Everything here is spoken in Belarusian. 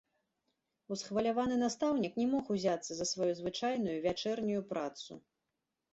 Усхваляваны настаўнік не мог узяцца за сваю звычайную вячэрнюю працу.